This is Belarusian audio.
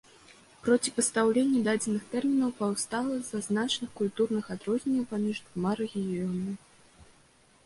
Проціпастаўленне дадзеных тэрмінаў паўстала з-за значных культурных адрозненняў паміж двума рэгіёнамі.